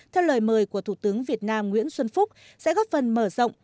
theo lời mời của thủ tướng việt nam nguyễn xuân phúc sẽ góp phần mở rộng